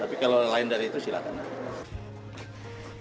tapi kalau lain dari itu silahkan